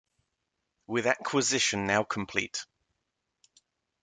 With acquisition now complete.